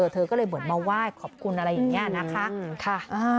เธอก็เลยเหมือนมาไหว้ขอบคุณอะไรอย่างนี้นะคะ